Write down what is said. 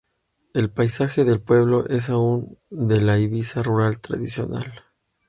El paisaje del pueblo es aún de la Ibiza rural tradicional.